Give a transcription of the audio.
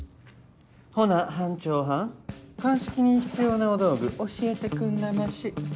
ほな班長はん鑑識に必要なお道具教えてくんなまし。